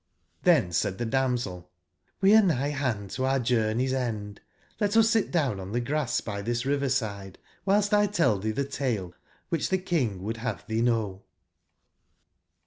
XThen said the damsel : ''(He are nigh/hand to our journey's end; let us sit down on the grass by this river/side whilst! tell thee the tale which the King would have thee know."